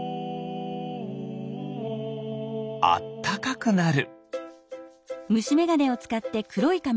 あったかくなる。